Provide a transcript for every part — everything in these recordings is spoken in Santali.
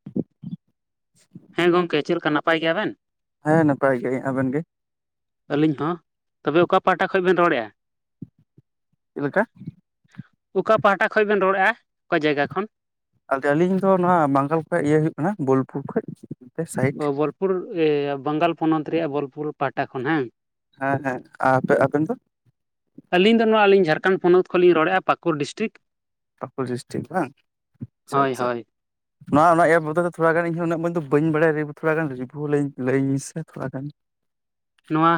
[inaudible] ᱦᱮᱸ ᱜᱚᱝᱠᱮ ᱪᱮᱫ ᱞᱮᱠᱟ ᱱᱟᱯᱟᱭ ᱜᱮᱭᱟᱵᱮᱱ ᱦᱮᱸ ᱱᱟᱯᱟᱭ ᱜᱮ ᱟᱵᱮᱱ ᱜᱮ ᱟᱹᱞᱤᱧ ᱦᱚᱸ, ᱛᱚᱵᱮ ᱚᱠᱟ ᱯᱟᱦᱟᱴᱟ ᱠᱷᱚᱡ ᱵᱮᱱ ᱨᱚᱲᱮᱜᱼᱟ? ᱪᱮᱫ ᱞᱮᱠᱟ? ᱚᱠᱟ ᱯᱟᱦᱟᱴᱟ ᱠᱷᱚᱡ ᱵᱮᱱ ᱨᱚᱲᱮᱼᱟ ᱚᱠᱟ ᱡᱟᱭᱜᱟ ᱠᱷᱚᱱ? ᱟᱫᱚ ᱟᱹᱞᱤᱧ ᱫᱚ ᱱᱚᱣᱟ ᱵᱟᱝᱜᱟᱞ ᱠᱷᱚᱡ ᱤᱭᱟᱹ ᱦᱩᱭᱩᱜ ᱠᱟᱱᱟ ᱵᱳᱞᱯᱩᱨ ᱠᱷᱚᱡ ᱾ ᱚ ᱵᱳᱞᱯᱩᱨ, ᱮᱸ ᱵᱟᱝᱜᱟᱞ ᱯᱚᱱᱚᱛ ᱨᱮᱭᱟᱜ ᱵᱳᱞᱯᱩᱨ ᱯᱟᱦᱟᱴᱟ ᱠᱷᱚᱱ ᱦᱟᱝ? ᱦᱮᱸ ᱦᱮᱸ, ᱟ ᱟᱵᱮᱱ ᱫᱚ? ᱟᱹᱞᱤᱧ ᱫᱚ ᱱᱚᱣᱟ ᱟᱞᱤᱧ ᱡᱷᱟᱲᱠᱷᱚᱸᱰ ᱯᱚᱱᱚᱛ ᱠᱷᱚᱱ ᱞᱤᱧ ᱨᱚᱲᱮᱫᱼᱟ ᱯᱟᱹᱠᱩᱲ ᱰᱤᱥᱴᱤᱠ ᱾ ᱯᱟᱹᱠᱩᱲ ᱰᱤᱥᱴᱤᱠ ᱵᱟᱝ? ᱟᱪᱪᱷᱟ ᱦᱳᱭ ᱟᱪᱪᱷᱟ ᱦᱳᱭ ᱾ ᱱᱚᱣᱟ ᱚᱱᱟ ᱮᱯ ᱵᱚᱫᱚᱞ ᱛᱮ ᱛᱷᱚᱲᱟ ᱜᱟᱱ ᱤᱧ ᱦᱚᱸ ᱩᱱᱟᱹᱜ ᱢᱚᱡ ᱫᱚ ᱵᱟᱹᱧ ᱵᱟᱲᱟᱭᱟ ᱨᱮ ᱛᱷᱚᱲᱟ ᱜᱟᱱ ᱨᱤᱵᱷᱩᱞ ᱟᱹᱧ ᱞᱟᱹᱭᱟᱹᱧ ᱥᱮ ᱛᱷᱚᱲᱟ ᱜᱟᱱ ᱾ ᱱᱚᱣᱟ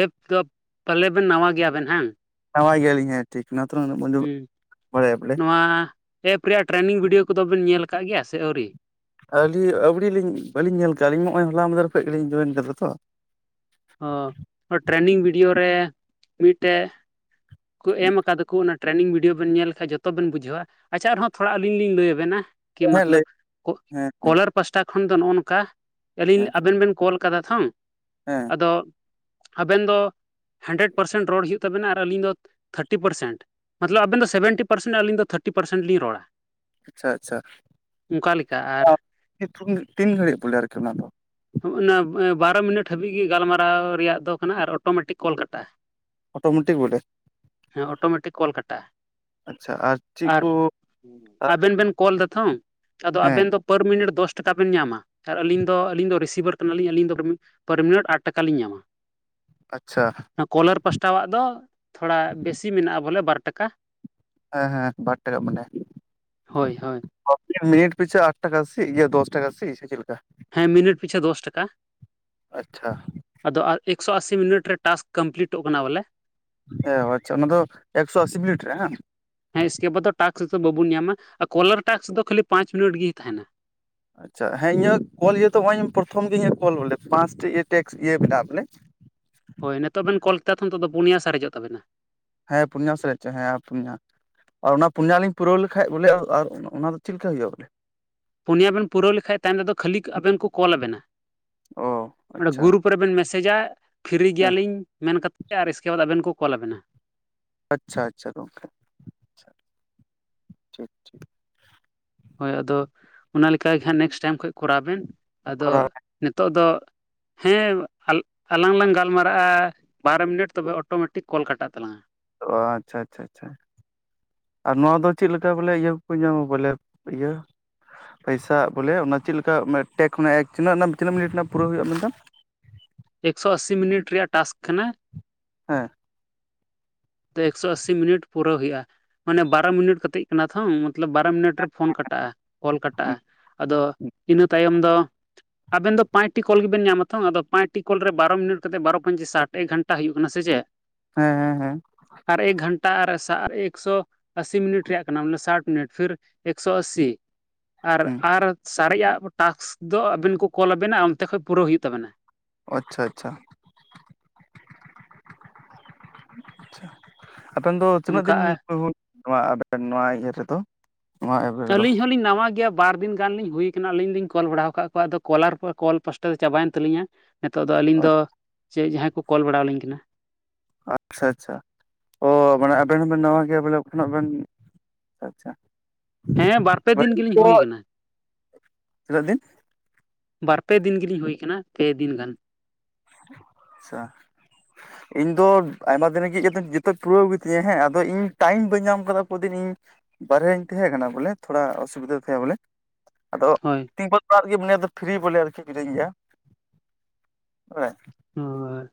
ᱮᱯ ᱫᱚ, ᱯᱟᱞᱮ ᱵᱮᱱ ᱱᱟᱣᱟ ᱜᱮᱭᱟ ᱵᱮᱱ ᱦᱟᱝ? ᱱᱟᱣᱟ ᱜᱮᱭᱟᱞᱤᱧ ᱦᱮᱸ ᱴᱷᱤᱠ ᱚᱱᱟ ᱛᱮᱦᱚ ᱩᱱᱟᱹᱜ ᱢᱚᱡ, ᱦᱮᱸ ᱵᱟᱲᱟᱭᱟ ᱯᱟᱞᱮ ᱾ ᱱᱚᱣᱟ ᱮᱯ ᱨᱮᱭᱟᱜ ᱴᱨᱮᱱᱤᱝ ᱵᱷᱤᱰᱭᱳ ᱠᱚᱫᱚ ᱵᱮᱱ ᱧᱮᱞ ᱠᱟᱜ ᱜᱮᱭᱟ ᱥᱮ ᱟᱹᱣᱨᱤ? ᱟᱹᱞᱤ ᱟᱹᱣᱲᱞᱤᱧ ᱵᱟᱹᱞᱤᱧ ᱧᱮᱞ ᱠᱟᱜᱼᱟ ᱟᱞᱤᱧ ᱱᱚᱜᱼᱚᱭ ᱦᱚᱞᱟ ᱢᱟᱫᱷᱮᱨ ᱠᱷᱚᱱ ᱜᱮ ᱞᱤᱧ ᱡᱚᱭᱮᱱ ᱠᱟᱫᱟ ᱛᱚ ᱾ ᱚ, ᱴᱨᱮᱱᱤᱝ ᱵᱷᱤᱰᱭᱳ ᱨᱮ ᱢᱤᱫᱴᱮᱡ ᱠᱩ ᱮᱢ ᱠᱟᱫᱟ ᱠᱩ ᱚᱱᱟ ᱴᱨᱮᱱᱤᱝ ᱵᱷᱤᱰᱭᱳ ᱵᱮᱱ ᱧᱮᱞ ᱠᱷᱟᱱᱡ ᱡᱚᱛᱚ ᱵᱮᱱ ᱵᱩᱡᱷᱟᱹᱣᱼᱟ, ᱟᱪᱪᱷᱟ ᱟᱨᱦᱚᱸ ᱛᱷᱚᱲᱟ ᱟᱹᱞᱤᱧ ᱞᱤᱧ ᱞᱟᱹᱭ ᱟᱵᱮᱱᱟ ᱾ ᱠᱤ ᱦᱮᱸ ᱞᱟᱹᱭ ᱢᱚᱛᱞᱟᱵ ᱠᱚ ᱦᱮᱸ ᱦᱮᱸ ᱠᱚᱞᱟᱨ ᱯᱟᱥᱴᱟ ᱠᱷᱚᱱ ᱫᱚ ᱱᱚᱜᱼᱚ ᱱᱚᱠᱟ ᱟᱹᱞᱤᱧ ᱦᱮᱸ ᱟᱵᱮᱱ ᱵᱮᱱ ᱠᱚᱞ ᱠᱟᱫᱟ ᱛᱷᱚ ᱦᱮᱸ ᱾ ᱟᱫᱚ ᱟᱵᱮᱱ ᱫᱚ ᱦᱟᱱᱰᱨᱮᱰ ᱯᱟᱨᱥᱮᱱᱴ ᱨᱚᱲ ᱦᱩᱭᱩᱜ ᱛᱟ ᱵᱮᱱᱟ ᱟᱨ ᱟᱹᱞᱤᱧ ᱫᱚ ᱛᱷᱟᱨᱴᱤ ᱯᱟᱨᱥᱮᱱᱴ ᱢᱟᱛᱞᱟᱵ ᱟᱵᱮᱱ ᱫᱚ ᱥᱮᱵᱷᱮᱱᱴᱤ ᱯᱟᱨᱥᱮᱱᱴ ᱟᱹᱞᱤᱧ ᱫᱚ ᱛᱷᱟᱴᱴᱤ ᱯᱟᱨᱥᱮᱱᱴ ᱞᱤᱧ ᱨᱚᱲᱟ ᱾ ᱟᱪᱪᱷᱟ ᱟᱪᱪᱷᱟ ᱞᱮᱠᱟ ᱟᱨ [unintelligible] ᱛᱤᱱ ᱜᱷᱟᱹᱲᱤᱜ ᱵᱚᱞᱮ ᱟᱨ ᱠᱤ ᱚᱱᱟ ᱫᱚ? ᱦᱚᱸᱜ-ᱚᱱᱟ ᱵᱟᱨᱚ ᱢᱤᱱᱤᱴ ᱦᱟᱹᱵᱤᱡ ᱜᱮ ᱜᱟᱞᱢᱟᱨᱟᱣ ᱨᱮᱭᱟᱜ ᱫᱚ ᱠᱟᱱᱟ ᱟᱨ ᱚᱴᱳᱢᱮᱴᱤᱠ ᱠᱚᱞ ᱠᱟᱴᱟᱜᱼᱟ ᱾ ᱚᱴᱳᱢᱮᱴᱤᱠ ᱵᱚᱞᱮ ᱦᱮᱸ ᱚᱴᱳᱢᱮᱴᱤᱠ ᱠᱚᱞ ᱠᱟᱴᱟᱜᱼᱟ ᱾ ᱟᱪᱪᱷᱟ ᱟᱨ ᱪᱮᱫ ᱠᱩ ᱟᱵᱮᱱ ᱵᱮᱱ ᱠᱚᱞ ᱫᱟᱛᱷᱚ ᱟᱫᱚ ᱦᱮᱸ ᱟᱵᱮᱱ ᱫᱚ ᱯᱟᱨ ᱢᱤᱱᱤᱴ ᱫᱚᱥ ᱴᱟᱠᱟ ᱵᱮᱱ ᱧᱟᱢᱟ ᱟᱨ ᱟᱹᱞᱤᱧ ᱫᱚ ᱟᱹᱞᱤᱧ ᱫᱚ ᱨᱤᱥᱤᱵᱷᱟᱨ ᱠᱟᱱᱟ ᱞᱤᱧ ᱟᱹᱞᱤᱧ ᱫᱚ ᱯᱟᱨ ᱢᱤᱱᱤᱴ ᱟᱴ ᱴᱟᱠᱟ ᱞᱤᱧ ᱧᱟᱢᱟ ᱾ ᱟᱪᱪᱷᱟ ᱾ ᱚᱱᱟ ᱠᱚᱞᱟᱨ ᱯᱟᱥᱴᱟᱣᱟᱜ ᱫᱚ ᱛᱷᱚᱲᱟ ᱵᱮᱥᱤ ᱢᱮᱱᱟᱜᱼᱟ ᱵᱚᱞᱮ ᱵᱟᱨ ᱴᱟᱠᱟ ᱾ ᱦᱮᱸ ᱦᱮᱸ ᱵᱟᱨ ᱴᱟᱠᱟ ᱢᱟᱱᱮ ᱦᱳᱭ ᱦᱳᱭ [inaudible] ᱢᱤᱱᱤᱴ ᱯᱤᱪᱷᱟᱹ ᱟᱴ ᱴᱟᱠᱟ ᱥᱤ ᱜᱮ ᱫᱚᱥ ᱴᱟᱠᱟ ᱥᱤ ᱪᱮᱫ ᱞᱮᱠᱟ? ᱦᱮᱸ ᱢᱤᱱᱤᱴ ᱯᱤᱪᱷᱟᱹ ᱫᱚᱥ ᱴᱟᱠᱟ ᱟᱪᱪᱷᱟ ᱾ ᱟᱫᱚ ᱮᱠᱥᱚ ᱟᱥᱤ ᱢᱤᱱᱤᱴ ᱨᱮ ᱴᱟᱥᱠ ᱠᱚᱢᱯᱞᱤᱴᱚᱜ ᱠᱟᱱᱟ ᱵᱚᱞᱮ ᱾ ᱦᱮ ᱚ ᱟᱪᱪᱷᱟ ᱚᱱᱟ ᱫᱚ ᱮᱠᱥᱚ ᱟᱥᱤ ᱢᱤᱞᱤᱴ ᱨᱮ ᱦᱟᱝ? ᱦᱮᱸ ᱮᱥᱠᱮ ᱵᱟᱫ ᱴᱟᱥᱠᱥ ᱵᱟᱵᱚᱱ ᱧᱟᱢᱟ ᱟᱨ ᱠᱚᱞᱟᱨ ᱴᱟᱥᱠᱥ ᱫᱚ ᱠᱷᱟᱹᱞᱤ ᱯᱟᱸᱪ ᱢᱤᱱᱤᱴ ᱜᱮ ᱛᱟᱦᱮᱱᱟ ᱾ ᱟᱪᱪᱷᱟ ᱦᱮᱸ ᱤᱧᱟᱹᱜ ᱠᱚᱞ ᱤᱭᱟᱹ ᱛᱚ ᱦᱚᱜᱼᱚᱭ ᱯᱨᱚᱛᱷᱚᱢ ᱜᱮᱧ ᱠᱚᱞ ᱵᱚᱞᱮ ᱯᱟᱥᱴᱤ ᱤᱭᱟᱹ ᱴᱮᱠᱥ ᱤᱭᱟᱹ ᱢᱮᱱᱟᱜᱼᱟ ᱯᱟᱞᱮ ᱾ ᱦᱳᱭ ᱱᱤᱛᱚᱜ ᱵᱮᱱ ᱠᱚᱞ ᱠᱮᱫᱟ ᱛᱷᱚ ᱱᱤᱛᱚᱜ ᱫᱚ ᱯᱩᱱᱭᱟ ᱥᱟᱨᱮᱡᱚᱜ ᱛᱟᱵᱮᱱᱟ ᱾ ᱦᱮᱸ ᱯᱩᱱᱭᱟ ᱥᱟᱨᱮᱡᱚᱜ, ᱦᱮᱸ ᱯᱩᱱᱭᱟ ᱾ ᱟᱨ ᱚᱱᱟ ᱯᱩᱱᱭᱟᱞᱤᱧ ᱯᱩᱨᱟᱹᱣ ᱞᱮᱠᱷᱟᱡ ᱵᱚᱞᱮ ᱟᱨ ᱚᱱᱟ ᱚᱱᱟ ᱫᱚ ᱪᱮᱫ ᱞᱮᱠᱟ ᱦᱩᱭᱩᱜᱼᱟ ᱵᱚᱞᱮ? ᱯᱩᱱᱭᱟ ᱵᱮᱱ ᱯᱩᱨᱟᱹᱣ ᱞᱮᱠᱷᱟᱡ ᱛᱟᱭᱚᱢ ᱛᱮᱫᱚ ᱠᱷᱟᱹᱞᱤ ᱟᱵᱮᱱ ᱠᱚ ᱠᱚᱞ ᱟᱵᱮᱱᱟ, ᱚ ᱚᱸᱰᱮ ᱟᱪᱪᱷᱟ ᱜᱩᱨᱩᱯ ᱛᱟᱨᱯᱟᱨᱮ ᱵᱮᱱ ᱢᱮᱥᱮᱡᱟ ᱯᱷᱤᱨᱤ ᱦᱮᱸ ᱜᱮᱭᱟᱞᱤᱧ ᱢᱮᱱ ᱠᱟᱛᱮᱫ ᱟᱨ ᱤᱥᱠᱮ ᱵᱟᱫᱽ ᱟᱵᱮᱱ ᱠᱚ ᱠᱚᱞ ᱟᱵᱮᱱᱟ ᱾ ᱟᱪᱪᱷᱟ ᱟᱪᱪᱷᱟ ᱜᱚᱢᱠᱮ, ᱟᱪᱪᱷᱟ ᱟᱪᱪᱷᱟ ᱾ ᱦᱳᱭ ᱟᱫᱚ ᱚᱱᱟ ᱞᱮᱠᱟ ᱜᱮ ᱦᱟᱸᱜ ᱱᱮᱠᱥᱴ ᱴᱟᱭᱤᱢ ᱠᱷᱚᱡ ᱠᱚᱨᱟᱣ ᱵᱮᱱ ᱟᱫᱚ ᱠᱚᱨᱟᱣ ᱱᱤᱛᱚᱜ ᱫᱚ ᱦᱮᱸ ᱟᱞ ᱟᱞᱟᱝ ᱞᱟᱝ ᱜᱟᱞᱢᱟᱨᱟᱜᱼᱟ ᱵᱟᱨᱚ ᱢᱤᱱᱤᱴ ᱛᱚᱵᱮ ᱚᱴᱳᱢᱮᱴᱤᱠ ᱠᱚᱞ ᱠᱟᱴᱟᱜ ᱛᱟᱞᱟᱝᱟ ᱾ ᱚ ᱟᱪᱪᱷᱟ ᱟᱪᱪᱷᱟ ᱟᱪᱪᱷᱟ ᱾ ᱟᱨ ᱱᱚᱣᱟ ᱫᱚ ᱪᱮᱫ ᱞᱮᱠᱟ ᱵᱚᱞᱮ ᱤᱭᱟᱹ ᱠᱚᱠᱚ ᱧᱟᱢᱟ ᱵᱚᱞᱮ ᱤᱭᱟᱹ ᱯᱚᱭᱥᱟ ᱵᱚᱞᱮ ᱚᱱᱟ ᱪᱮᱫ ᱞᱮᱠᱟ ᱢᱟᱱᱮ ᱴᱮᱠ ᱠᱷᱚᱱ ᱮᱠ ᱛᱤᱱᱟᱹᱜ ᱨᱮᱱᱟᱜ ᱛᱤᱱᱟᱹᱜ ᱢᱤᱱᱤᱴ ᱨᱮᱱᱟᱜ ᱯᱩᱨᱟᱹᱣ ᱦᱩᱭᱩᱜᱼᱟ ᱢᱮᱱ ᱫᱟᱢ? ᱮᱠᱥᱳ ᱟᱥᱤ ᱢᱤᱱᱤᱴ ᱨᱮᱭᱟᱜ ᱴᱟᱥᱠ ᱠᱟᱱᱟ ᱾ ᱦᱮᱸ ᱾ ᱮᱠᱥᱚ ᱟᱥᱤ ᱢᱤᱱᱤᱴ ᱯᱩᱨᱟᱹᱣ ᱦᱩᱭᱩᱜᱼᱟ ᱢᱟᱱᱮ ᱵᱟᱨᱚ ᱢᱤᱱᱤᱴ ᱠᱟᱛᱮᱜ ᱠᱟᱱᱟ ᱛᱚ ᱢᱚᱛᱞᱚᱵ ᱵᱟᱨᱟ ᱢᱤᱱᱤᱴ ᱨᱮ ᱯᱷᱚᱱ ᱠᱟᱴ ᱴᱟᱜᱼᱟ ᱠᱚᱞ ᱠᱟᱴᱟᱜᱼᱟ ᱟᱫᱚ ᱤᱱᱟᱹ ᱛᱟᱭᱚᱢ ᱫᱚ ᱟᱵᱮᱱ ᱫᱚ ᱯᱟᱸᱪᱴᱤ ᱠᱚᱞ ᱜᱮᱵᱤᱱ ᱧᱟᱢᱟ ᱛᱚ ᱟᱫᱚ ᱯᱟᱸᱪᱴᱤ ᱠᱚᱞ ᱨᱮ ᱵᱟᱨᱚ ᱢᱤᱱᱤᱴ ᱠᱟᱛᱮ ᱵᱟᱨᱚ ᱯᱟᱸᱪᱤ ᱥᱟᱴ ᱮᱠ ᱜᱷᱟᱱᱴᱟ ᱦᱩᱭᱩᱜ ᱠᱟᱱᱟ ᱥᱮ ᱪᱮᱫ ᱦᱮᱸ ᱦᱮᱸ ᱦᱮᱸ ᱟᱨ ᱮᱠ ᱜᱷᱟᱱᱴᱟ ᱟᱨ ᱟᱨ ᱮᱠᱥᱚ ᱟᱥᱤ ᱢᱤᱱᱤᱴ ᱨᱮᱭᱟᱜ ᱠᱟᱱᱟ ᱢᱟᱱᱮ ᱥᱟᱴ ᱢᱤᱱᱤᱴ ᱯᱷᱤᱨ ᱮᱠᱥᱚ ᱟᱥᱤ ᱟᱨ ᱦᱮᱸ ᱟᱨ ᱥᱟᱨᱮᱡᱟᱜ ᱴᱟᱥᱠ ᱫᱚ ᱟᱹᱵᱤᱱ ᱠᱚ ᱠᱚᱞ ᱟᱵᱤᱱᱟ ᱚᱱᱛᱮ ᱠᱷᱚᱡ ᱯᱩᱨᱟᱹᱣ ᱦᱩᱭᱩᱜ ᱛᱟᱵᱤᱱᱟ ᱟᱪᱪᱷᱟ ᱪᱷᱟ ᱟᱵᱮᱱ ᱫᱚ ᱛᱤᱱᱟᱹᱜ ᱚᱱᱠᱟ ᱫᱤᱱ [unintelligible] ᱱᱚᱣᱟ ᱤᱭᱟᱹ ᱨᱮᱫᱚ ᱱᱚᱣᱟ ᱮᱯ ᱨᱮᱫᱚ ᱟᱹᱞᱤᱧ ᱦᱚᱞᱤᱧ ᱱᱟᱣᱟ ᱜᱮᱭᱟ ᱵᱟᱨ ᱫᱤᱱ ᱜᱟᱱ ᱞᱤᱧ ᱦᱩᱭ ᱠᱟᱱᱟ ᱟᱞᱤᱧ ᱞᱤᱧ ᱠᱚᱞ ᱵᱟᱲᱟᱣ ᱟᱠᱟᱫ ᱠᱚᱣᱟ ᱟᱫᱚ ᱠᱚᱞᱟᱨ ᱠᱚ ᱠᱚᱞ ᱯᱟᱥᱴᱟ ᱫᱚ ᱪᱟᱵᱟᱭᱮᱱ ᱛᱟᱞᱤᱧᱟ ᱱᱤᱛᱚᱜ ᱫᱚ ᱟᱹᱞᱤᱧ ᱫᱚ ᱪᱮᱫ ᱡᱟᱦᱟᱸᱭ ᱠᱚ ᱠᱚᱞ ᱵᱟᱲᱟᱣᱞᱤᱧ ᱠᱟᱱᱟ ᱟᱪᱪᱷᱟ ᱟᱪᱪᱷᱟ ᱚ ᱢᱟᱱᱮ ᱟᱵᱮᱱ ᱦᱚᱸᱵᱮᱱ ᱱᱟᱣᱟ ᱜᱮᱭᱟ ᱵᱚᱞᱮ ᱚᱱᱟᱜ ᱵᱤᱱ ᱟᱪᱪᱷᱟ ᱦᱮᱸ ᱵᱟᱨᱯᱮ ᱫᱤᱱ ᱜᱤᱞᱤᱧ ᱦᱩᱭᱠᱟᱱᱟ ᱛᱤᱱᱟᱹᱜ ᱫᱤᱱ? ᱵᱟᱨ ᱯᱮ ᱫᱤᱱ ᱜᱤᱞᱤᱧ ᱦᱩᱭᱠᱟᱱᱟ ᱯᱮ ᱫᱤᱱ ᱜᱟᱱ ᱟᱪᱪᱷᱟ ᱤᱧ ᱫᱚ ᱟᱭᱢᱟ ᱫᱤᱱ ᱨᱮᱜᱤ ᱠᱚᱛᱚ ᱡᱚᱛᱚ ᱯᱩᱨᱟᱹᱣ ᱜᱮᱛᱤᱧᱟ ᱦᱮᱸ ᱟᱫᱚ ᱤᱧ ᱴᱟᱭᱤᱢ ᱵᱟᱹᱧ ᱧᱟᱢᱠᱟᱫᱟ ᱠᱚ ᱫᱤᱱ ᱤᱧ ᱵᱟᱨᱦᱮᱨᱮᱧ ᱛᱟᱦᱮᱸ ᱠᱟᱱᱟ ᱵᱚᱞᱮ ᱛᱷᱚᱲᱟ ᱚᱥᱩᱵᱤᱫᱟ ᱛᱟᱦᱮᱸ ᱵᱚᱞᱮ ᱟᱫᱚ ᱦᱳᱭ ᱛᱤᱸᱯᱚᱞ ᱚᱲᱟᱜ ᱨᱮᱜᱮ ᱢᱤᱱᱟᱹᱧ ᱟᱫᱚ ᱯᱷᱤᱨᱤ ᱵᱚᱞᱮ ᱟᱨᱠᱤ ᱢᱤᱱᱟᱹᱧ ᱜᱮᱭᱟ [unintelligible] ᱦᱳᱭ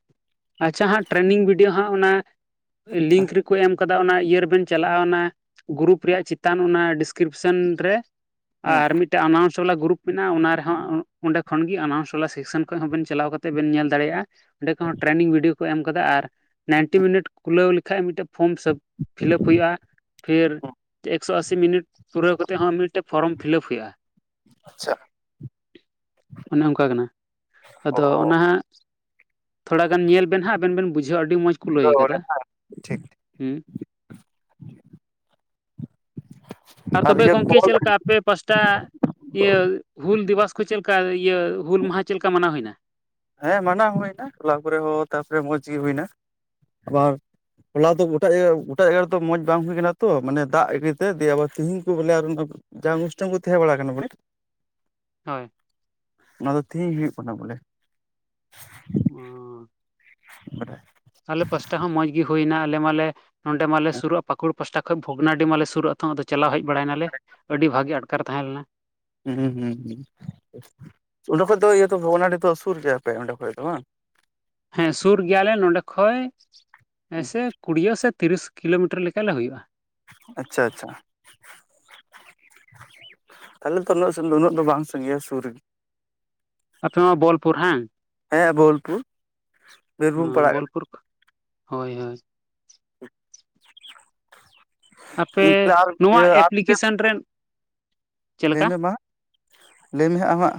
ᱟᱪᱪᱷᱟ ᱦᱟᱸᱜ ᱴᱨᱮᱱᱤᱝ ᱵᱷᱤᱰᱭᱚ ᱦᱟᱸᱜ ᱚᱱᱟ ᱞᱤᱝᱠ ᱨᱮᱠᱚ ᱮᱢ ᱟᱠᱟᱫᱟ ᱚᱱᱟ ᱤᱭᱟᱹ ᱨᱮᱵᱤᱱ ᱪᱟᱞᱟᱜᱼᱟ ᱚᱱᱟ ᱜᱨᱩᱨᱩᱯ ᱨᱮᱭᱟᱜ ᱪᱮᱛᱟᱱ ᱚᱱᱟ ᱰᱤᱥᱠᱨᱤᱯᱥᱚᱱ ᱨᱮ ᱦᱩᱸ ᱟᱨ ᱢᱤᱫᱴᱟᱱ ᱟᱱᱟᱣᱩᱱᱥ ᱪᱷᱩᱞᱟ ᱜᱨᱩᱯ ᱢᱮᱱᱟᱜᱼᱟ ᱚᱱᱟ ᱨᱮᱦᱚᱸ ᱚᱰᱮᱠᱷᱚᱱ ᱜᱮ ᱟᱱᱟᱩᱱᱥ ᱵᱟᱞᱟ ᱥᱮᱠᱥᱮᱱ ᱠᱷᱚᱡ ᱦᱚᱸᱵᱤᱱ ᱪᱟᱞᱟᱣ ᱠᱟᱛᱮ ᱵᱮᱱ ᱧᱮᱞ ᱫᱟᱲᱮᱭᱟᱜᱼᱟ ᱚᱸᱰᱮ ᱠᱷᱚᱱ ᱴᱨᱮᱱᱤᱝ ᱵᱷᱤᱰᱤᱭᱚ ᱠᱚ ᱮᱢ ᱠᱟᱫᱟ ᱟᱨ ᱱᱟᱭᱤᱱᱴᱤ ᱢᱤᱱᱤᱴ ᱠᱷᱩᱞᱟᱹᱣ ᱞᱮᱠᱷᱟᱡ ᱢᱤᱫᱴᱮᱱ ᱯᱷᱚᱨᱚᱢ ᱯᱷᱤᱞᱟᱯ ᱦᱩᱭᱩᱜᱼᱟ ᱯᱷᱤᱨ ᱮᱠᱥᱚ ᱟᱥᱤ ᱢᱤᱱᱤᱴ ᱯᱩᱨᱟᱹᱣ ᱠᱟᱛᱮ ᱦᱚᱸ ᱢᱤᱫ [unintelligible] ᱯᱷᱚᱨᱚᱢ ᱯᱷᱤᱞᱟᱯ ᱦᱩᱭᱩᱜᱼᱟ ᱟᱪᱪᱷᱟ ᱚᱱᱮ ᱚᱝᱠᱟ ᱠᱟᱱᱟ ᱟᱫᱚ ᱚ ᱚᱱᱟᱦᱟᱸᱜ ᱛᱷᱚᱲᱟ ᱜᱟᱱ ᱧᱮᱞ ᱵᱮᱱ ᱦᱟᱸᱜ ᱟᱵᱮᱱ ᱵᱮᱱ ᱵᱩᱡᱷᱟᱹᱣᱟ ᱟᱹᱰᱤ ᱢᱚᱸᱡᱽ ᱠᱚ ᱞᱟᱹᱭ ᱚᱸᱰᱮ ᱟᱠᱟᱫᱟ ᱴᱷᱤᱠ ᱦᱩᱸ ᱟᱨ ᱛᱚᱵᱮ ᱤᱭᱟᱹ ᱜᱚᱝᱠᱮ ᱠᱚᱞ ᱪᱮᱫ ᱞᱮᱠᱟ? ᱟᱯᱮ ᱯᱟᱥᱴᱟ ᱤᱭᱟᱹ ᱦᱩᱞ ᱫᱤᱵᱚᱥ ᱠᱚ ᱪᱮᱫᱠᱟ ᱤᱭᱟᱹ ᱦᱩᱞ ᱢᱟᱦᱟ ᱪᱮᱫ ᱞᱮᱠᱟ ᱢᱟᱱᱟᱣ ᱦᱩᱭᱱᱟ ᱦᱮᱸ ᱢᱟᱱᱟᱣ ᱦᱩᱭᱱᱟ ᱴᱚᱞᱟ ᱠᱚᱨᱮ ᱦᱚ ᱛᱟᱯᱚᱨᱮ ᱢᱚᱸᱡᱽ ᱜᱮ ᱦᱩᱭᱱᱟ ᱟᱵᱟᱨ ᱦᱚᱞᱟ ᱫᱚ ᱜᱚᱴᱟ ᱤᱭᱟᱹ ᱜᱚᱴᱟ ᱛᱮ ᱢᱚᱸᱡᱽ ᱵᱟᱝ ᱦᱩᱭ ᱠᱟᱱᱟ ᱛᱚ ᱢᱟᱱᱮ ᱫᱟᱜ ᱤᱫᱤ ᱛᱮ ᱫᱤᱭᱮ ᱟᱵᱟᱨ ᱛᱤᱦᱤᱧ ᱠᱚ ᱵᱚᱞᱮ ᱟᱨ ᱡᱟ ᱚᱱᱩᱥᱴᱷᱟᱱ ᱠᱚ ᱛᱟᱦᱮᱸ ᱵᱟᱲᱟ ᱠᱟᱱᱟ [unintelligible] ᱦᱚᱭ ᱚᱱᱟ ᱫᱚ ᱛᱤᱦᱤᱧ ᱦᱩᱭᱩᱜ ᱠᱟᱱᱟ ᱵᱚᱞᱮ [inaudible] [unintelligible] [unintelligible] ᱟᱞᱮ ᱯᱟᱥᱴᱟ ᱦᱚᱸ ᱢᱚᱸᱡᱽ ᱜᱮ ᱦᱩᱭᱱᱟ ᱟᱞᱮ ᱢᱟᱞᱮ ᱱᱚᱸᱰᱮ ᱢᱟᱞᱮ ᱥᱩᱨᱩᱜᱼᱟ ᱯᱟᱠᱩᱲ ᱯᱟᱥᱴᱟ ᱠᱷᱚᱡ ᱵᱷᱚᱜᱽᱱᱟᱰᱤ ᱢᱟᱞᱮ ᱥᱩᱨᱩᱜᱼᱟ ᱱᱤᱛᱚᱝ ᱟᱫᱚ ᱪᱟᱞᱟᱣ ᱦᱮᱡ ᱵᱟᱲᱟᱭ ᱱᱟᱞᱮ ᱟᱹᱰᱤ ᱵᱷᱟᱜᱮ ᱟᱴᱠᱟᱨ ᱛᱟᱦᱮᱸ ᱞᱮᱱᱟ ᱦᱩᱸ ᱦᱩᱸ ᱦᱩᱸ ᱚᱸᱰᱮ ᱠᱷᱚᱡ ᱫᱚ ᱤᱭᱟᱹ ᱛᱚ ᱵᱷᱚᱜᱽᱱᱟᱰᱤ ᱫᱚ ᱥᱩᱨ ᱜᱮᱭᱟᱯᱮ ᱚᱸᱰᱮᱠᱷᱚᱡ ᱫᱚ ᱵᱟᱝ? ᱦᱮᱸ ᱥᱩᱨ ᱜᱮᱭᱟᱞᱮ ᱱᱚᱰᱮ ᱠᱷᱚᱡ ᱦᱮᱸᱥᱮ ᱠᱩᱰᱤᱭᱟᱹ ᱥᱮ ᱛᱤᱨᱤᱥ ᱠᱤᱞᱚᱢᱤᱴᱟᱨ ᱞᱮᱠᱟᱞᱮ ᱦᱩᱭᱩᱜᱼᱟ ᱟᱪᱪᱷᱟ ᱪᱷᱟ ᱛᱟᱦᱚᱞᱮ ᱫᱚ ᱩᱱᱟᱹᱜ ᱥᱩᱱ ᱫᱚ ᱩᱱᱟᱹᱜ ᱫᱚ ᱵᱟᱝ ᱥᱟᱺᱜᱤᱧᱟ ᱥᱩᱨ ᱨᱮᱜᱮ᱾ ᱟᱯᱮ ᱱᱚᱣᱟ ᱵᱳᱞᱯᱩᱨ ᱦᱟᱝ? ᱦᱮᱸ ᱵᱳᱞᱯᱩᱨ᱾ ᱵᱤᱨᱵᱷᱩᱢ ᱯᱟᱲᱟᱜ ᱠᱟᱱᱟ ᱵᱳᱞᱯᱩᱨ, ᱦᱳᱭ ᱦᱳᱭ᱾ ᱟᱨ ᱤᱭᱟᱹ ᱟᱨ [unintelligible] ᱴᱨᱮᱱ ᱞᱟᱹᱭᱢᱮ ᱢᱟ, ᱞᱟᱹᱭᱢᱮ ᱦᱟᱸᱜ ᱟᱢᱟᱜ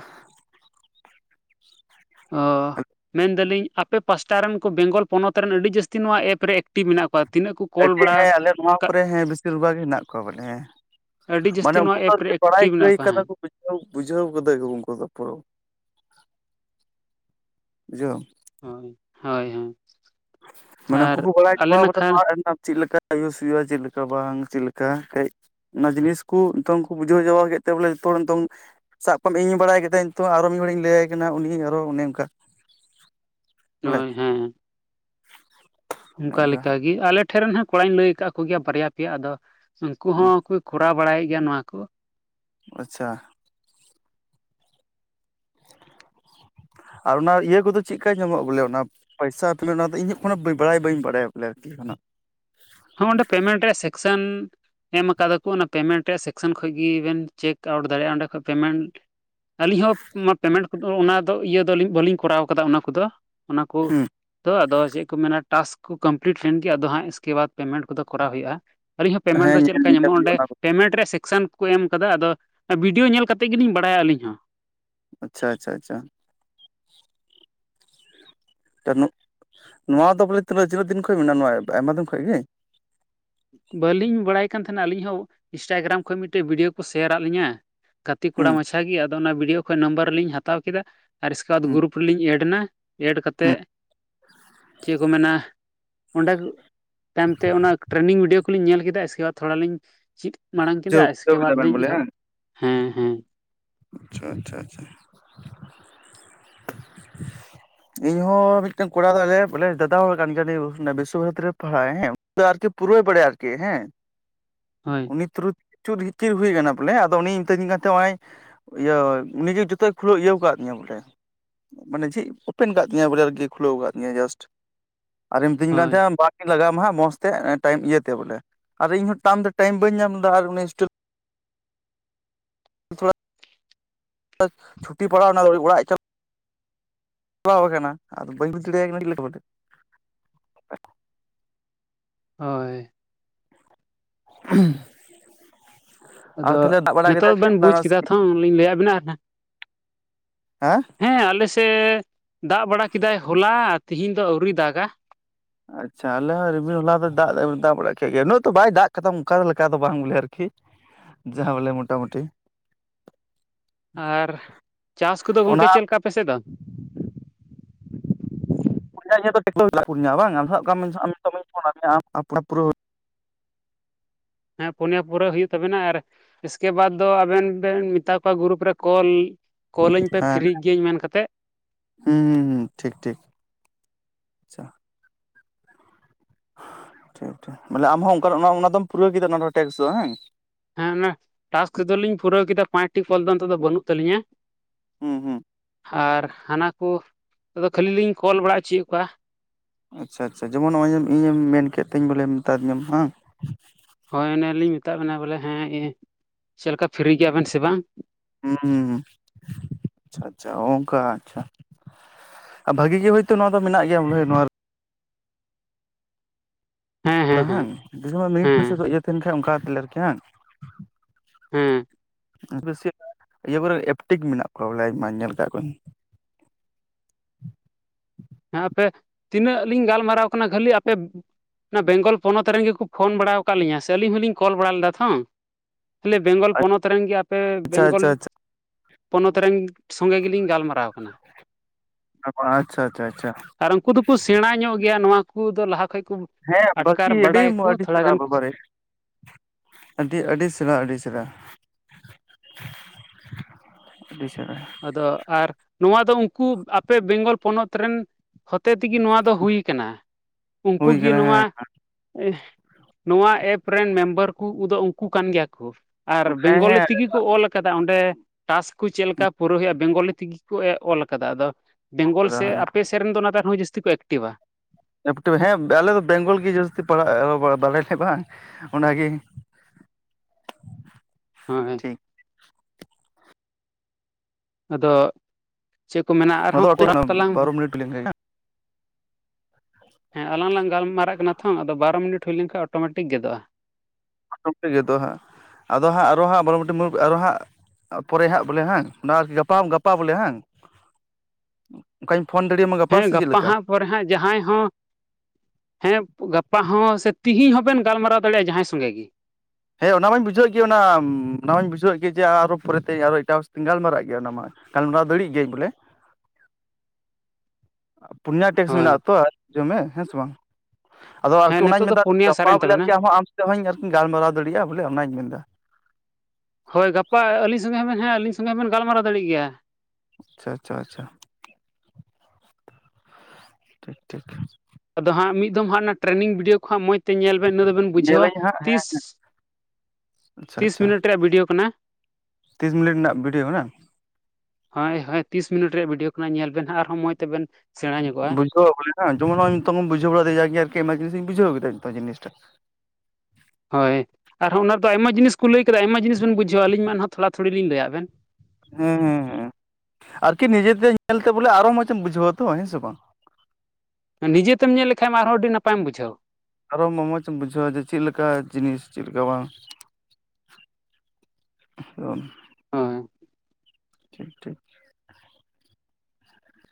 ᱚ ᱢᱮᱱᱫᱟᱞᱤᱧ ᱟᱯᱮ ᱯᱟᱥᱴᱟ ᱨᱮᱱ ᱠᱚ ᱵᱮᱝᱜᱚᱞ ᱯᱚᱱᱚᱛ ᱨᱮᱱ ᱟᱹᱰᱤ ᱡᱟᱹᱥᱛᱤ ᱱᱚᱣᱟ ᱮᱯ ᱨᱮ ᱮᱠᱴᱤᱵᱷ ᱢᱮᱱᱟᱜ ᱠᱚᱣᱟ᱾ ᱛᱤᱱᱟᱹᱜ ᱠᱚ ᱠᱚᱞ ᱵᱟᱲᱟ [unintelligible] ᱦᱮᱸ ᱟᱞᱮ ᱱᱚᱣᱟ ᱠᱟᱜ ᱠᱚᱨᱮ ᱦᱮᱸ ᱵᱤᱥᱤᱨᱟᱜᱽ ᱦᱮᱱᱟᱜ ᱠᱚᱣᱟ ᱵᱚᱞᱮ ᱾ ᱟᱹᱰᱤ ᱢᱟᱱᱮ ᱡᱟᱹᱥᱛᱤ ᱱᱚᱣᱟ ᱩᱝᱠᱩ ᱫᱚ ᱮᱯ ᱟᱨᱠᱤ ᱨᱮ ᱵᱟᱲᱟᱭ ᱮᱠᱴᱤᱵᱽ ᱢᱮᱱᱟᱜ ᱠᱟᱹᱭ ᱠᱚᱣᱟ ᱠᱟᱫᱟ ᱦᱮᱸ ᱠᱚ ᱠᱟᱹᱡ᱾ ᱵᱩᱡᱷᱟᱹᱣ ᱠᱟᱫᱟ ᱠᱚ ᱩᱝᱠᱩ ᱫᱚ ᱠᱩ ᱵᱩᱡᱷᱟᱹᱣ᱾ ᱦᱳᱭ ᱦᱳᱭ ᱦᱳᱭ᱾ ᱢᱟᱱᱮ ᱩᱝᱠᱩ ᱠᱚ ᱵᱟᱲᱟᱭ ᱪᱟᱵᱟ ᱠᱟᱫᱟ ᱱᱟᱠᱷᱟᱱ ᱯᱟᱨ ᱤᱱᱠᱟᱢ ᱪᱮᱜ ᱞᱮᱠᱟ? ᱟᱹᱭᱩᱥ ᱦᱩᱭᱩᱜᱼᱟ ᱪᱤᱜ ᱞᱮᱠᱟ ᱵᱟᱝ ᱪᱤᱜ ᱞᱮᱠᱟ ᱠᱟᱹᱡ ᱚᱱᱟ ᱡᱤᱱᱤᱥ ᱠᱚ ᱱᱤᱛᱚᱝ ᱠᱚ ᱵᱩᱡᱷᱟᱹᱣ ᱪᱟᱵᱟᱠᱮᱫ ᱛᱮ ᱵᱚᱞᱮ ᱡᱚᱛᱚ ᱦᱚᱲ ᱱᱤᱛᱚᱝ ᱥᱟᱵ ᱠᱟᱜ ᱢᱮ ᱤᱧ ᱵᱟᱲᱟᱭ ᱠᱮᱫᱟᱧ ᱦᱤᱛᱚᱝ ᱟᱨᱚ ᱢᱤᱫ ᱦᱚᱲᱤᱧ ᱞᱟᱹᱭᱟᱭ ᱠᱟᱱᱟ ᱩᱱᱤ ᱟᱨᱚ ᱚᱱᱮ ᱚᱝᱠᱟ᱾ ᱦᱳᱭ ᱦᱮᱸ᱾ ᱚᱱᱮ ᱚᱝᱠᱟ ᱚᱱᱠᱟ ᱞᱮᱠᱟᱜᱮ ᱟᱞᱮ ᱨᱮᱱᱜ ᱠᱚᱲᱟᱧ ᱞᱟᱹᱭ ᱟᱠᱟᱫ ᱠᱚ ᱜᱮᱭᱟ ᱵᱟᱨᱭᱟ ᱯᱮᱭᱟ ᱟᱫᱚ ᱩᱝᱠᱩ ᱦᱩᱸ ᱦᱚᱸ ᱠᱚ ᱠᱚᱨᱟᱣ ᱵᱟᱲᱟᱭ ᱜᱮᱭᱟ ᱱᱚᱣᱟ ᱠᱚ ᱾ ᱟᱪᱪᱷᱟ ᱟᱨ ᱚᱱᱟ ᱤᱭᱟᱹ ᱠᱚᱫᱚ ᱪᱤᱜᱠᱟ ᱧᱮᱞᱚᱜᱼᱟ ᱵᱚᱞᱮ ᱚᱱᱟ ᱯᱟᱭᱥᱟ [unintelligible] ᱤᱧ ᱮᱠᱷᱚᱱᱟᱜ ᱵᱤᱰᱨᱟᱭ ᱵᱟᱹᱧ ᱵᱟᱲᱟᱭ ᱞᱚᱞᱮ ᱟᱨᱠᱤ ᱦᱚᱼ ᱚᱸᱰᱮ ᱯᱮᱢᱮᱱᱴ ᱨᱮᱭᱟᱜ ᱥᱮᱠᱥᱮᱱ ᱮᱢ ᱠᱟᱫᱟ ᱠᱚ ᱚᱱᱟ ᱯᱮᱢᱮᱱᱴ ᱨᱮᱭᱟᱜ ᱥᱮᱠᱥᱮᱱ ᱠᱷᱚᱱ ᱜᱮᱵᱮᱱ ᱪᱮᱠ ᱟᱣᱩᱴ ᱫᱟᱲᱮᱭᱟᱜᱼᱟ ᱚᱸᱰᱮ ᱠᱷᱚᱡ ᱯᱮᱢᱮᱱᱴ ᱟᱹᱞᱤᱧ ᱦᱚᱸ ᱯᱮᱢᱮᱱᱴ ᱚᱱᱟ ᱤᱭᱟᱹ ᱫᱚ ᱵᱟᱹᱞᱤᱧ ᱠᱚᱨᱟᱣ ᱟᱠᱟᱫᱟ ᱚᱱᱟ ᱠᱚᱫᱚ᱾ ᱚᱱᱟ ᱠᱩ, ᱦᱩᱸ ᱛᱚ ᱟᱫᱚ ᱪᱮᱫ ᱠᱚ ᱢᱮᱱᱟ ᱴᱟᱥᱠ ᱠᱚ ᱠᱚᱢᱯᱞᱤᱴ ᱞᱮᱱ ᱜᱮ ᱟᱫᱚ ᱦᱟᱸᱜ ᱥᱠᱮ ᱵᱟᱫᱽ ᱯᱮᱢᱮᱱᱴ ᱠᱚᱫᱚ ᱠᱚᱨᱟᱣ ᱦᱩᱭᱩᱜᱼᱟ᱾ ᱟᱹᱞᱤᱧ ᱦᱚᱸ ᱦᱮᱸ ᱫᱚ ᱪᱮᱫ ᱧᱮᱞ ᱞᱮᱠᱟ ᱧᱮᱞ ᱧᱟᱢᱚᱜᱼᱟ ᱚᱸᱰᱮ, ᱦᱩᱭᱩᱜᱼᱟ ᱚᱱᱟ ᱠᱚ ᱯᱮᱢᱮᱱᱴ ᱨᱮᱭᱟᱜ ᱥᱮᱠᱥᱮᱱ ᱠᱚ ᱮᱢ ᱠᱟᱫᱟ ᱟᱫᱚ ᱵᱷᱤᱰᱭᱳ ᱧᱮᱞ ᱠᱟᱛᱮ ᱜᱮᱞᱤᱧ ᱵᱟᱰᱟᱭᱟ ᱟᱹᱞᱤᱧ ᱦᱚᱸ᱾ ᱟᱪᱪᱷᱟ ᱟᱪᱪᱷᱟ ᱟᱪᱪᱷᱟ᱾ [unintelligible] ᱱᱚᱣᱟ ᱫᱚ ᱵᱚᱞᱮ ᱛᱤ ᱛᱤᱱᱟᱹᱜ ᱫᱤᱱ ᱠᱷᱚᱡ ᱢᱮᱱᱟᱜᱼᱟ ᱟᱭᱢᱟ ᱫᱤᱱ ᱠᱷᱚᱡ ᱜᱤ? ᱵᱟᱹᱞᱤᱧ ᱵᱟᱲᱟᱭ ᱠᱟᱱ ᱛᱟᱦᱮᱱᱟ ᱟᱹᱞᱤᱧ ᱦᱚᱸ, ᱤᱱᱥᱴᱟᱜᱨᱟᱢ ᱠᱷᱚᱱ ᱢᱤᱫᱴᱮᱡ ᱵᱷᱤᱰᱭᱳ ᱠᱚ ᱥᱮᱭᱟᱨᱟᱜ ᱞᱤᱧᱟᱹ ᱜᱟᱛᱮ ᱠᱚᱲᱟ ᱦᱩᱸ ᱢᱟᱪᱷᱟ ᱜᱮ ᱟᱫᱚ ᱚᱱᱟ ᱵᱷᱤᱰᱭᱳ ᱠᱷᱚᱡ ᱱᱟᱢᱵᱟᱨ ᱞᱤᱧ ᱦᱟᱛᱟᱣ ᱠᱮᱫᱟ, ᱟᱨ ᱮᱥᱠᱮ ᱵᱟᱫᱽ ᱦᱩᱸ ᱜᱨᱩᱯ ᱨᱮᱞᱤᱧ ᱮᱰ ᱮᱱᱟ᱾ ᱮᱰ ᱠᱟᱛᱮᱜ, ᱦᱩᱸ ᱪᱮ ᱠᱚ ᱢᱮᱱᱟ ᱚᱸᱰᱮ ᱛᱟᱭᱚᱢᱛᱮ ᱚᱱᱟ ᱴᱨᱮᱱᱤᱝ ᱵᱷᱤᱰᱭᱳ ᱠᱚᱞᱤᱧ ᱧᱮᱞ ᱠᱮᱫᱟ ᱮᱤᱥᱠᱮᱵᱟᱫᱽ ᱛᱷᱚᱲᱟ ᱞᱤᱧ ᱪᱤᱜ ᱢᱟᱲᱟᱝ ᱠᱮᱫᱟ ᱵᱩᱡᱷᱟᱹᱣ ᱮᱥᱠᱮ ᱵᱩᱡᱷᱟᱹᱣ ᱵᱟᱫᱽ ᱠᱮᱫᱟ ᱵᱮᱱ ᱞᱤᱧ ᱵᱚᱞᱮ ᱮᱦᱚᱵ, ᱦᱟᱝ ᱦᱮᱸ ᱦᱮᱸ᱾ ᱟᱪᱪᱷᱟ ᱟᱪᱪᱷᱟ ᱟᱪᱪᱷᱟ᱾ ᱤᱧ ᱦᱚᱸ ᱢᱤᱫᱴᱮᱝ ᱠᱚᱲᱟ ᱫᱚᱞᱮ ᱵᱚᱞᱮ ᱫᱟᱫᱟ ᱦᱚᱲ ᱠᱟᱱ ᱜᱮᱭᱟ, ᱵᱤᱥᱥᱚ ᱵᱷᱟᱨᱚᱛᱤ ᱨᱮ ᱯᱟᱲᱦᱟᱜᱼᱟ ᱦᱮᱸ ᱟᱨᱠᱤ ᱯᱩᱨᱣᱟᱹᱭ ᱵᱟᱲᱟᱭᱟ ᱟᱨᱠᱤ ᱦᱮᱸ ᱦᱳᱭ ᱩᱱᱤ ᱛᱨᱩᱪᱩᱨ ᱦᱤᱪᱤᱨ ᱦᱩᱭ ᱠᱟᱱᱟᱞᱮ ᱟᱫᱚ ᱩᱱᱤᱭ ᱢᱮᱛᱟᱟᱹᱫᱧ ᱠᱟᱱ ᱛᱟᱦᱮᱸ ᱦᱚᱜᱼᱚᱭ ᱤᱭᱟᱹ ᱩᱱᱜᱮ ᱡᱚᱛᱚᱭ ᱠᱷᱩᱞᱟᱹᱣ ᱤᱭᱟᱹᱣ ᱟᱠᱟᱫ ᱛᱤᱧᱟᱹ ᱵᱚᱞᱮ᱾ ᱢᱟᱱᱮ ᱡᱷᱤᱜ ᱳᱯᱮᱱ ᱠᱟᱜ ᱛᱤᱧᱟᱹ ᱵᱚᱞᱮᱜᱮ ᱠᱷᱩᱞᱟᱹᱣ ᱟᱠᱟᱞᱫ ᱛᱤᱧᱟᱹ ᱡᱟᱥᱴ ᱟᱨᱮ ᱢᱤᱛᱟᱹᱧ ᱠᱟᱱ ᱦᱳᱭ ᱛᱟᱦᱮᱸᱱᱟ [unintelligible] [unintelligible] ᱞᱟᱜᱟᱣᱟᱢᱟ ᱦᱟᱜ ᱢᱚᱸᱡᱽ ᱛᱮ ᱴᱟᱭᱤᱢ ᱤᱭᱟᱹᱛᱮ ᱵᱚᱞᱮ ᱟᱫᱚ ᱤᱧ ᱦᱚᱸ ᱴᱟᱢ ᱴᱟᱭᱤᱢ ᱵᱟᱹᱧ ᱧᱟᱢ ᱫᱟ ᱟᱨ [unintelligible] ᱛᱷᱳᱲᱟ ᱪᱷᱩᱴᱤ ᱯᱟᱲᱟᱜ ᱚᱱᱟ ᱚᱲᱟᱜ ᱪᱟᱞᱟᱜ ᱪᱟᱞᱟᱣ ᱟᱠᱟᱱᱟ, ᱟᱫᱚ ᱵᱟᱹᱧ ᱵᱩᱡᱽ ᱫᱟᱲᱮᱭᱟᱜ ᱠᱟᱱᱟ ᱪᱮ ᱞᱮ ᱵᱚᱞᱮ᱾ ᱦᱚᱭ [unintelligible] ᱟᱨ ᱟᱫᱚ, ᱛᱟᱦᱚᱞᱮ ᱫᱟᱜ ᱵᱟᱲᱟ ᱱᱤᱛᱚᱜ ᱠᱮᱫᱟᱭ ᱥᱮ ᱵᱮᱱ ᱵᱩᱡ ᱠᱮᱫᱟ ᱛᱚᱞᱤᱧ ᱞᱟᱹᱭᱟᱜ ᱵᱤᱱᱟ ᱟᱨᱦᱟᱜ ᱦᱟᱸ ᱦᱮᱸ ᱟᱞᱮᱥᱮᱜ, ᱫᱟᱜ ᱵᱟᱲᱟ ᱠᱮᱫᱟᱭ ᱦᱚᱞᱟ ᱛᱤᱦᱤᱧ ᱫᱚ ᱟᱹᱣᱨᱤ ᱫᱟᱜᱟ᱾ ᱟᱪᱪᱷᱟ ᱟᱞᱮ ᱦᱚᱸ ᱨᱤᱢᱤᱞ ᱦᱚᱞᱟ ᱫᱚ ᱫᱟᱜ ᱢᱮ ᱫᱟᱜ ᱵᱟᱲᱟᱜ ᱠᱮᱜ ᱜᱮ ᱩᱱᱟᱹᱜ ᱫᱚ ᱵᱟᱭ ᱫᱟᱜ ᱠᱟᱫᱟ ᱚᱱᱠᱟ ᱞᱮᱠᱟ ᱫᱚ ᱵᱟᱝ ᱵᱚᱞᱮ ᱟᱨᱠᱤ ᱡᱟᱦᱟᱸ ᱵᱚᱞᱮ ᱢᱳᱴᱟᱢᱩᱴᱤ ᱟᱨ ᱪᱟᱥ ᱠᱚᱫᱚ ᱚᱱᱟ ᱜᱚᱢᱠᱮ ᱪᱮᱫ ᱞᱮᱠᱟ ᱟᱯᱮᱥᱮᱫ ᱫᱚ ᱜᱚᱝᱠᱮ ᱤᱧᱟᱜ ᱫᱚ ᱴᱮᱠᱥ ᱵᱟᱝᱧ ᱯᱷᱚᱱᱟᱜ ᱢᱮᱭᱟ ᱟ ᱯᱩᱨᱟ. ᱦᱮᱸ, ᱯᱩᱱᱭᱟ ᱯᱩᱨᱟᱹ ᱦᱩᱭᱩᱜ ᱛᱟᱵᱮᱱᱟ ᱟᱨ ᱤᱥᱠᱮᱵᱟᱫᱽ ᱫᱚ ᱟᱵᱮᱱ ᱵᱮᱱ ᱢᱮᱛᱟ ᱠᱚᱣᱟ ᱜᱩᱨᱩᱯ ᱨᱮ ᱠᱚᱞ ᱾ ᱠᱚᱞᱟᱹᱧ ᱯᱮ ᱦᱮᱸ ᱯᱷᱤᱨᱤ ᱜᱤᱭᱟᱹᱧ ᱢᱮᱱ ᱠᱟᱛᱮᱫ ᱦᱩᱸ ᱦᱩᱸ ᱦᱩᱸ ᱴᱷᱤᱠ ᱴᱷᱤᱠ ᱟᱪᱪᱷᱟ ᱴᱷᱤᱠ ᱴᱷᱤᱠ ᱢᱟᱱᱮ ᱟᱢᱦᱚᱸ ᱚᱱᱠᱟᱱᱟᱜ ᱚᱱᱟ ᱚᱱᱟᱫᱚᱢ ᱯᱩᱨᱟᱹᱣ ᱠᱮᱫᱟ ᱚᱱᱟ ᱴᱮᱠᱥ ᱫᱚ ᱵᱟᱝ ᱦᱮᱸ ᱚᱱᱟ ᱴᱟᱥᱠ ᱫᱚᱞᱤᱧ ᱯᱩᱨᱟᱹᱣ ᱠᱮᱫᱟ ᱯᱟᱸᱪᱴᱤ ᱠᱚᱞ ᱫᱚ ᱚᱱᱛᱚᱛᱚ ᱵᱟᱹᱱᱩᱜ ᱛᱟᱹᱞᱤᱧᱟ ᱦᱩᱸ ᱦᱩᱸ ᱟᱨ ᱦᱟᱱᱟ ᱠᱚ ᱠᱷᱟᱹᱞᱤ ᱞᱤᱧ ᱠᱚᱞ ᱵᱟᱲᱟ ᱚᱪᱚᱭᱮᱫ ᱠᱚᱣᱟ ᱟᱪᱪᱷᱟ ᱟᱪᱪᱷᱟ ᱡᱮᱢᱚᱱ ᱱᱚᱜᱼᱚᱭ ᱤᱧᱮᱢ ᱢᱮᱱ ᱠᱮᱫ ᱛᱤᱧ ᱵᱚᱞᱮ ᱢᱮᱛᱟᱫᱤᱧᱟᱢ ᱵᱟᱝ ᱦᱚᱭ ᱚᱱᱮᱞᱤᱧ ᱢᱮᱛᱟᱜ ᱵᱮᱱᱟ ᱵᱚᱞᱮ ᱦᱮᱸ ᱪᱮᱫ ᱞᱮᱠᱟ ᱯᱷᱤᱨᱤ ᱜᱮᱭᱟᱵᱮᱱ ᱥᱮ ᱵᱟᱝ ᱦᱩᱸ ᱟᱪᱪᱷᱟ ᱟᱪᱪᱷᱟ ᱚᱱᱠᱟ ᱟᱪᱪᱷᱟ ᱟ ᱵᱷᱟᱹᱜᱤ ᱜᱮ ᱦᱳᱭᱛᱚ ᱱᱚᱣᱟ ᱫᱚ ᱢᱮᱱᱟᱜ ᱜᱮᱭᱟ ᱵᱚᱞᱮ ᱱᱚᱣᱟ ᱦᱮᱸ ᱫᱟ ᱦᱮᱸ ᱦᱟᱝ ᱦᱮᱸ ᱵᱤᱥᱤ ᱫᱚ ᱵᱟᱝ ᱢᱤᱱᱤᱴ ᱠᱤᱪᱷᱩ ᱦᱮᱸ ᱤᱭᱟ‌. ᱛᱟᱦᱮᱱ ᱠᱷᱟᱱ ᱚᱱᱠᱟ ᱟᱨᱠᱤ ᱦᱟᱝ ᱦᱮᱸ ᱵᱮᱥᱤ ᱤᱭᱟᱹ ᱠᱚᱨᱮ ᱮᱯᱴᱤᱠ ᱢᱮᱱᱟᱜ ᱠᱚᱣᱟ ᱵᱚᱞᱮ ᱟᱭᱢᱟ ᱧᱮᱞ ᱠᱟᱜ ᱠᱚᱣᱟ ᱦᱮᱸ ᱟᱯᱮ ᱛᱤᱱᱟᱹᱜ ᱞᱤᱧ ᱜᱟᱞᱢᱟᱨᱟᱣ ᱠᱟᱱᱟ ᱠᱷᱟᱹᱞᱤ ᱟᱯᱮ ᱚᱱᱟ ᱵᱮᱝᱜᱚᱞ ᱯᱚᱱᱚᱛ ᱨᱮᱱ ᱜᱮᱠᱚ ᱯᱷᱳᱱ ᱵᱟᱲᱟ ᱟᱠᱟᱫ ᱞᱤᱧᱟ ᱥᱮ ᱟᱹᱞᱤᱧ ᱦᱚᱸᱞᱤᱧ ᱠᱚᱞ ᱵᱟᱲᱟ ᱞᱮᱫᱟ ᱛᱷᱚ ᱠᱷᱟ. ᱞᱤ ᱵᱮᱝᱜᱚᱞ ᱯᱚᱱᱚᱛ ᱨᱮᱱ ᱜᱮ ᱟ ᱟᱯᱮ ᱟᱪᱪᱷᱟ ᱵᱮᱝᱜᱚᱞ ᱟᱪᱪᱷᱟ ᱟᱪᱪᱷᱟ ᱯᱚᱱᱚᱛ ᱨᱮᱱ ᱥᱚᱸᱜᱮ ᱜᱮᱞᱤᱧ ᱜᱟᱞᱢᱟᱨᱟᱣ ᱠᱟᱱᱟ ᱛᱟᱯᱚᱨ ᱟᱪᱪᱷᱟ ᱟᱪᱪᱷᱟ ᱟᱪᱪᱷᱟ ᱟᱨ ᱩᱱᱠᱩ ᱫᱚᱠᱚ ᱥᱮᱬᱟ ᱧᱚᱜ ᱜᱮᱭᱟ ᱱᱚᱣᱟ ᱠᱚᱫᱚ ᱞᱟᱦᱟ ᱠᱷᱚᱡ ᱠᱚ ᱦᱮᱸ ᱟᱴᱠᱟᱨ ᱵᱟᱠᱤ ᱵᱟᱰᱟᱭᱟᱠᱚ ᱟᱹᱰᱤ ᱛᱷᱚᱲᱟ ᱜᱟᱱ ᱪᱮᱨᱦᱟ ᱵᱟᱵᱟᱨᱮ ᱟᱹᱰᱤ ᱟᱹᱰᱤ ᱥᱮᱬᱟ ᱟᱹᱰᱤ ᱥᱮᱬᱟ ᱟᱹᱰᱤ ᱥᱮᱬᱟ ᱟᱫᱚ ᱟᱨ ᱱᱚᱣᱟ ᱫᱚ ᱩᱱᱠᱩ ᱟᱯᱮ ᱵᱮᱝᱜᱚᱞ ᱯᱚᱱᱚᱛ ᱨᱮᱱ ᱦᱚᱛᱮ ᱛᱮᱜᱮ ᱱᱚᱣᱟ ᱫᱚ ᱦᱩᱭ ᱠᱟᱱᱟ ᱩᱱᱠᱩ ᱦᱩᱭ ᱜᱮ ᱠᱟᱱᱟ ᱱᱚᱣᱟ ᱦᱮᱸ ᱮ ᱱᱚᱣᱟ ᱮᱯ ᱨᱮᱱ ᱢᱮᱢᱵᱟᱨ ᱠᱚ ᱫᱩ ᱩᱱᱠᱩ ᱠᱟᱱ ᱜᱮᱭᱟ ᱠᱚ ᱟᱨ ᱦᱮᱸ ᱵᱮᱝᱜᱚᱞᱤ ᱦᱮᱸ ᱛᱮᱜᱮ ᱠᱚ ᱚᱞ ᱠᱟᱫᱟ ᱚᱸᱰᱮ ᱴᱟᱥᱠ ᱠᱚ ᱪᱮᱫ ᱞᱮᱠᱟ ᱯᱩᱨᱟᱹ ᱦᱩᱭᱩᱜᱼᱟ ᱵᱮᱝᱜᱚᱞᱤ ᱛᱮᱜᱮ ᱠᱚ ᱚᱞ ᱠᱟᱫᱟ ᱟᱫᱚ ᱵᱮᱝᱜᱚᱞ ᱫᱟᱫᱟ ᱥᱮ ᱦᱮᱸ ᱟᱯᱮ ᱥᱮᱫᱨᱮᱱ ᱫᱚ ᱚᱱᱮᱟᱛᱮ ᱟᱨᱦᱚᱸ ᱡᱟᱹᱥᱛᱤ ᱠᱚ ᱮᱠᱴᱤᱵᱟ ᱮᱠᱴᱤᱵᱟ ᱦᱮᱸ ᱟᱞᱮᱫᱚ ᱵᱮᱝᱜᱚᱞ ᱜᱮ ᱡᱟᱹᱥᱛᱤ ᱯᱟᱲᱟᱜ [unintelligible] ᱵᱟᱝ ᱚᱱᱟᱜᱮ ᱦᱳᱭ ᱴᱷᱤᱠ ᱟᱫᱚ ᱪᱮᱫ ᱠᱚ ᱢᱮᱱᱟ ᱱᱚᱣᱟ ᱟᱨᱦᱚᱸ ᱫᱚ ᱴᱷᱤᱠ ᱠᱚᱨᱟᱣ ᱛᱟᱞᱟᱝ ᱵᱟᱨᱚ ᱢᱤᱱᱤᱴ ᱦᱩᱭ ᱞᱮᱱ ᱦᱮᱸ ᱟᱞᱟᱝ ᱞᱟᱝ ᱜᱟᱞᱢᱟᱨᱟᱜ ᱠᱟᱱᱟ ᱛᱚ ᱟᱫᱚ ᱵᱟᱨᱚ ᱢᱤᱱᱴ ᱦᱩᱭ ᱞᱮᱱᱠᱷᱟᱱ ᱚᱴᱳᱢᱮᱴᱤᱠ ᱜᱮᱫᱚᱜᱼᱟ ᱚᱴᱚᱢᱤᱴᱤᱠ ᱜᱮᱫᱚᱜ ᱟ ᱦᱟᱸᱜ ᱟᱫᱚ ᱦᱟᱸᱜ ᱟᱨᱚ ᱦᱟᱸᱜ ᱵᱟᱨᱚ ᱢᱤᱱᱤᱴ ᱟᱨᱚ ᱦᱟᱸᱜ ᱯᱚᱨᱮ ᱦᱟᱸᱜ ᱵᱚᱞᱮ ᱵᱟᱝ ᱜᱟᱯᱟ ᱜᱟᱯᱟ ᱵᱚᱞᱮ ᱵᱟᱝ ᱚᱱᱠᱟᱧ ᱯᱷᱳᱱ ᱫᱟᱲᱮᱭᱟᱢᱟ ᱜᱟᱯᱟ ᱦᱮᱸ ᱥᱮ ᱪᱮᱫ ᱞᱮᱠᱟ ᱦᱟᱸᱜ ᱯᱚᱨᱮ ᱦᱟᱸᱜ ᱡᱟᱦᱟᱸᱭ ᱦᱚᱸ ᱦᱮᱸ ᱜᱟᱯᱟ ᱦᱚᱸ ᱥᱮ ᱛᱤᱦᱤᱧ ᱦᱚᱸᱵᱮᱱ ᱜᱟᱞᱢᱟᱨᱟᱣ ᱫᱟᱲᱮᱭᱟᱜᱼᱟ ᱡᱟᱦᱟᱸᱭ ᱥᱚᱸᱜᱮ ᱜᱮ ᱦᱮᱸ ᱚᱱᱟ ᱢᱟᱧ ᱵᱩᱡᱷᱟᱹᱣᱮᱫ ᱜᱮ ᱚᱱᱟ ᱢᱟᱧ ᱵᱩᱡᱷᱟᱹᱣᱮᱫ ᱜᱮ ᱡᱮ ᱟᱨᱚ ᱯᱚᱨᱮᱛᱮᱧ ᱟᱨᱚ ᱮᱴᱟᱜ ᱦᱚᱲ ᱥᱟᱣᱛᱮᱧ ᱜᱟᱞᱢᱟᱨᱟᱜ ᱜᱮ ᱚᱱᱟ ᱢᱟ ᱜᱟᱞᱢᱟᱨᱟᱣ ᱫᱟᱲᱮᱜ ᱜᱤᱭᱟ. ᱧ ᱵᱚᱞᱮ ᱯᱩᱱᱭᱟ ᱴᱮᱠᱥ ᱦᱳᱭ ᱢᱮᱱᱟᱜ ᱟ ᱛᱚ ᱟᱡᱚᱢ ᱢᱮ ᱦᱮᱸ ᱥᱮ ᱵᱟᱝ ᱟᱫᱚ ᱟᱨᱠᱤ ᱦᱮᱸ ᱚᱱᱟᱧ ᱱᱤᱛᱚᱜ ᱫᱚ ᱢᱮᱛᱟᱜ ᱢᱮ ᱯᱩᱱᱭᱟ ᱥᱟᱨᱮᱡ ᱜᱟᱯᱟ ᱮᱱ ᱵᱚᱞᱮ ᱛᱟᱵᱮᱱᱟ ᱟᱨᱠᱤ ᱟᱢ ᱦᱚ ᱟᱢ ᱥᱟᱣᱛᱮᱧ ᱜᱟᱞᱢᱟᱨᱟᱣ ᱫᱟᱲᱮᱭᱟᱜᱼᱟ ᱵᱚᱞᱮ ᱚᱱᱟᱧ ᱢᱮᱱᱫᱟ ᱦᱳᱭ ᱜᱟᱯᱟ ᱟᱹᱞᱤᱧ ᱥᱚᱸᱜᱮ ᱦᱚᱸ ᱟᱹᱞᱤᱧ ᱥᱚᱸᱜᱮ ᱦᱚᱸᱵᱮᱱ ᱜᱟᱞᱢᱟᱨᱟᱣ ᱫᱟᱲᱮᱜ ᱜᱮᱭᱟ ᱟᱪᱪᱷᱟ ᱟᱪᱷᱟ ᱟᱪᱷᱟ ᱴᱷᱤᱠ ᱴᱷᱤᱠ ᱟᱫᱚ ᱦᱟᱸᱜ ᱢᱤᱫ ᱫᱚᱢ ᱦᱟᱸᱜ ᱚᱱᱟ ᱴᱨᱮᱱᱤᱝ ᱵᱷᱤᱰᱭᱳ ᱦᱟᱸᱜ ᱢᱚᱡᱽ ᱛᱮ ᱧᱮᱞ ᱵᱮᱱ ᱵᱤᱱ ᱵᱩᱡᱷᱟᱹᱣᱟ ᱧᱮᱞᱟᱹᱧ ᱦᱟᱸᱜ ᱦᱮᱸ ᱛᱤᱥ ᱦᱮᱸ ᱟᱪᱪᱷᱟ ᱛᱤᱥ ᱟᱪᱪᱷᱟ ᱢᱤᱱᱤᱴ ᱨᱮᱭᱟᱜ ᱵᱷᱤᱰᱤᱭᱳ ᱠᱟᱱᱟ ᱛᱤᱨᱤᱥ ᱢᱤᱱᱤᱴ ᱨᱮᱱᱟᱜ ᱵᱷᱤᱰᱭᱳ ᱠᱟᱱᱟ ᱦᱳᱭ ᱦᱳᱭ ᱛᱤᱥ ᱢᱤᱱᱤᱴ ᱨᱮᱭᱟᱜ ᱵᱷᱤᱰᱭᱳ ᱠᱟᱱᱟ ᱧᱮᱞ ᱵᱮᱱ ᱦᱟᱸᱜ, ᱟᱨᱦᱚᱸ ᱢᱚᱸᱡᱽ ᱛᱮᱵᱮᱱ ᱥᱮᱬᱟ ᱧᱚᱜᱚᱜᱼᱟ᱾ [unintelligible] ᱡᱮᱢᱚᱱ ᱱᱤᱛᱚᱜ ᱵᱚᱱ ᱵᱩᱡᱷᱟᱹᱣ ᱵᱟᱲᱟᱭᱮᱫ ᱛᱮ ᱡᱟᱠᱜᱮ ᱚᱱᱟ ᱡᱤᱱᱤᱥ ᱫᱩᱧ ᱵᱩᱡᱷᱟᱹᱣ ᱠᱮᱫᱟ ᱛᱚ ᱡᱤᱱᱤᱥ ᱴᱟᱜ᱾ ᱦᱳᱭ ᱟᱨᱦᱚᱸ ᱚᱱᱟᱫᱚ ᱟᱭᱢᱟ ᱡᱤᱱᱤᱥ ᱠᱩ ᱞᱟᱹᱭ ᱠᱮᱫᱟ ᱟᱭᱢᱟ ᱡᱤᱱᱤᱥ ᱵᱮᱱ ᱵᱩᱡᱷᱟᱹᱣᱟ ᱟᱹᱞᱤᱧ ᱢᱟ ᱮᱱᱦᱚᱸ ᱛᱷᱚᱲᱟ ᱛᱷᱚᱲᱤ ᱞᱤᱧ ᱞᱟᱹᱭᱟᱫ ᱵᱮᱱ᱾ ᱦᱮᱸ ᱦᱮᱸ ᱦᱮᱸ ᱟᱨᱠᱤ ᱱᱤᱡᱮᱛᱮ ᱧᱮᱞᱛᱮ ᱵᱚᱞᱮ ᱟᱨᱚ ᱢᱚᱸᱡᱽ ᱮᱢ ᱵᱩᱡᱷᱟᱹᱣᱟ ᱛᱚ ᱦᱮᱸ ᱥᱮ ᱵᱟᱝ? ᱱᱤᱡᱮ ᱛᱮᱢ ᱧᱮᱞ ᱞᱮᱠᱷᱟᱱ ᱟᱨᱦᱚᱸ ᱟᱹᱰᱤ ᱱᱟᱯᱟᱭ ᱮᱢ ᱵᱩᱡᱷᱟᱹᱣ᱾ ᱟᱨᱚ ᱢᱚᱢᱚᱡ ᱮᱢ ᱵᱩᱡᱷᱟᱹᱣᱟ ᱡᱮ ᱪᱮᱫ ᱞᱮᱠᱟ ᱡᱤᱱᱤᱥ ᱪᱮᱫ ᱞᱮᱠᱟ ᱵᱟᱝ᱾ ᱚ ᱦᱳᱭ᱾ ᱴᱷᱤᱠ ᱴᱷᱤᱠ᱾